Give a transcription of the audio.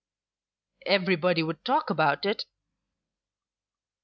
"Everybody would talk about it."